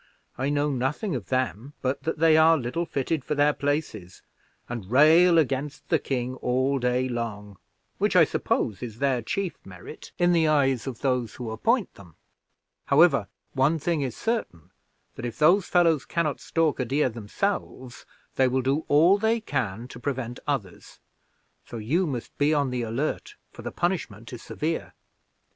I know nothing of them, but that they are little fitted for their places, and rail against the king all day long, which, I suppose, is their chief merit in the eyes of those who appoint them. However, one thing is certain, that if those fellows can not stalk a deer themselves, they will do all they can to prevent others; so you must be on the alert, for the punishment is severe."